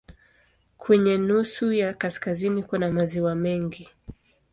Kwenye nusu ya kaskazini kuna maziwa mengi.